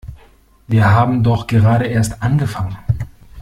Wir haben doch gerade erst angefangen!